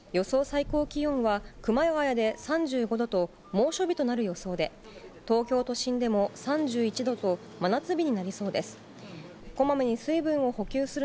最高気温は、熊谷で３５度と猛暑日となる予想で、東京都心でも３１度と、真夏日になりそうです。